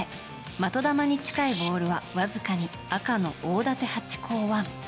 的球に近いボールはわずかに赤の大館ハチ公１。